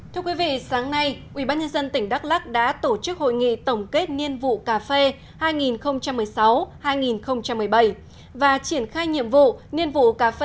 thưa quý vị sáng nay ubnd tỉnh đắk lắc đã tổ chức hội nghị tổng kết niên vụ cà phê hai nghìn một mươi sáu hai nghìn một mươi bảy và triển khai nhiệm vụ niên vụ cà phê hai nghìn một mươi bảy hai nghìn một mươi tám